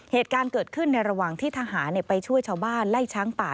เหตุการณ์เกิดขึ้นในระหว่างที่ทหารไปช่วยชาวบ้านไล่ช้างป่า